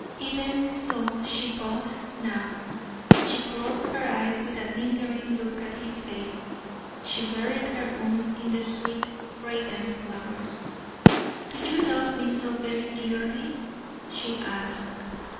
Even so she paused now; she closed her eyes with a lingering look at his face, she buried her own in the sweet, fragrant flowers. "Do you love me so very dearly?" she asked.